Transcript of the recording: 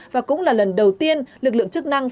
và cũng là lần đầu tiên lực lượng chức năng phát triển